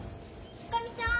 おかみさん。